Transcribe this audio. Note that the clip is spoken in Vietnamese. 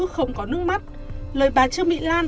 không có nước mắt lời bà trương mỹ lan